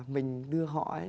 mình đưa họ ấy